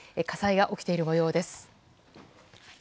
火災が起きているもようです。